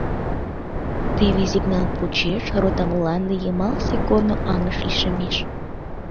Теве сигнал почеш рота мланде йымалсе корно аҥыш лишемеш.